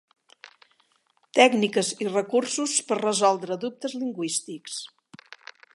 Tècniques i recursos per resoldre dubtes lingüístics.